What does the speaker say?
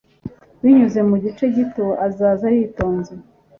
Binyuze mu gice gito azaza yitonze